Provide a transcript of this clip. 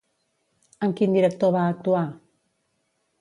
Amb quin director va actuar?